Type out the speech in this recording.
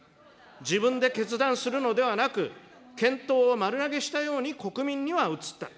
自分で決断するのではなく、検討を丸投げしたように国民には映った。